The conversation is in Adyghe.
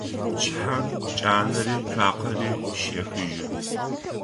Пчыхьэм джанэри цуакъэри щехыжьы.